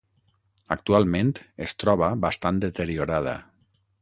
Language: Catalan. Actualment es troba bastant deteriorada.